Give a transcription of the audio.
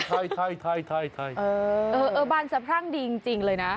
เออบานสะพรั่งดีจริงเลยนะ